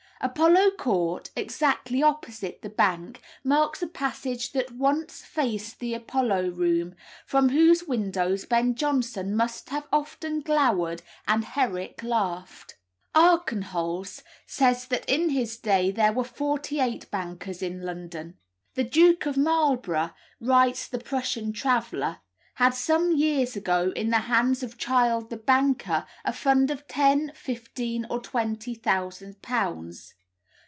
Apollo Court, exactly opposite the bank, marks a passage that once faced the Apollo room, from whose windows Ben Jonson must have often glowered and Herrick laughed. Archenholz says that in his day there were forty eight bankers in London. "The Duke of Marlborough," writes the Prussian traveller, "had some years ago in the hands of Child the banker, a fund of ten, fifteen, or twenty thousand pounds.